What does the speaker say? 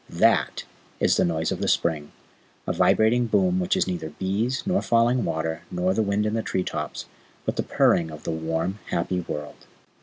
THAT is the noise of the spring a vibrating boom which is neither bees, nor falling water, nor the wind in tree tops, but the purring of the warm, happy world.